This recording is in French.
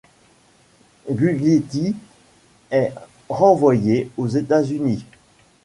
Guglietti est renvoyé aux États-Unis.